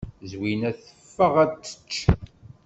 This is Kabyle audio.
Zwina teffeɣ ad tečč.